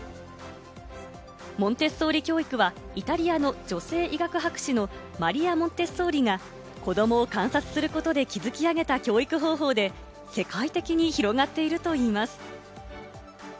モンテッソーリ教育は、イタリアの女性医学博士のマリア・モンテッソーリが子どもを観察することで築き上げた教育方法で、世界的に広がっているといいます。